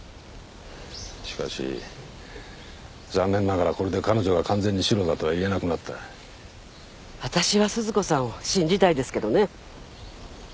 しかし残念ながらこれで彼女が完全にシロだとは言えなくなった私は鈴子さんを信じたいですけどね